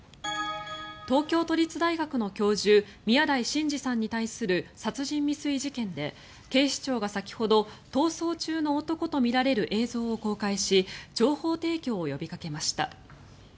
東京都立大学の教授宮台真司さんに対する殺人未遂事件で警視庁が先ほど逃走中の男とみられる映像を公開し情報提供を呼びかけました。